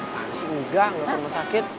masih unggang lo rumah sakit